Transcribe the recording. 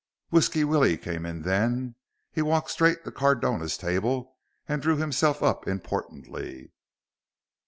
Whisky Willie came in then. He walked straight to Cardona's table and drew himself up importantly.